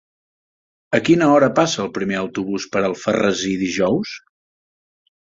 A quina hora passa el primer autobús per Alfarrasí dijous?